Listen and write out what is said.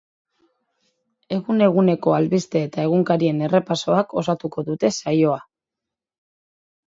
Egun eguneko albiste eta egunkarien errepasoak osatuko dute saioa.